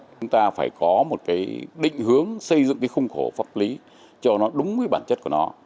chúng ta phải có một cái định hướng xây dựng cái khung khổ pháp lý cho nó đúng với bản chất của nó